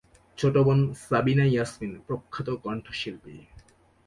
ছোট বোন সাবিনা ইয়াসমিন প্রখ্যাত কণ্ঠশিল্পী।